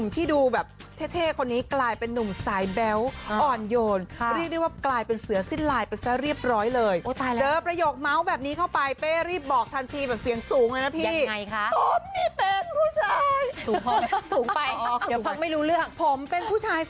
ที่ดูเหมือนจะโหดนี่นะคุณผู้ชม